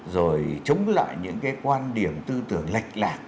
rồi chống lại những cái quan điểm tư tưởng lệch lạc